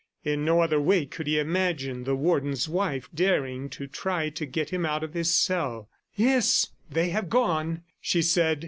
In no other way could he imagine the Warden's wife daring to try to get him out of his cell. "Yes, they have gone," she said.